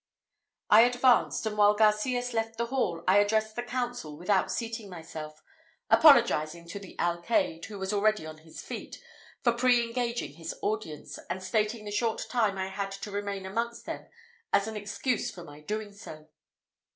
I advanced; and while Garcias left the hall, I addressed the council without seating myself, apologizing to the alcayde, who was already on his feet, for pre engaging his audience, and stating the short time I had to remain amongst them as an excuse for my doing so.